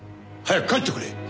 早く帰ってくれ！